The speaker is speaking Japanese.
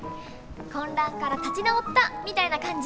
混乱から立ち直ったみたいな感じ。